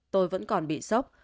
tôi vẫn còn bị sốc